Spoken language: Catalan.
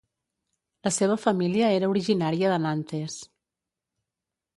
La seva família era originària de Nantes.